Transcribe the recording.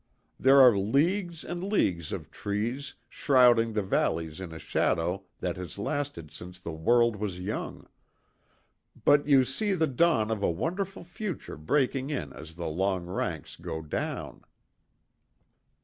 There are leagues and leagues of trees, shrouding the valleys in a shadow that has lasted since the world was young; but you see the dawn of a wonderful future breaking in as the long ranks go down."